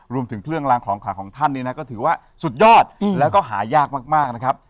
รวมถึงเครื่องลางของขังของท่านเนี่ยนะก็ถือว่าสุดยอดแล้วก็หายากมากนะครับ